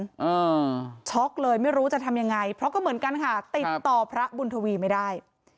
อ่าช็อกเลยไม่รู้จะทำยังไงเพราะก็เหมือนกันค่ะติดต่อพระบุญทวีไม่ได้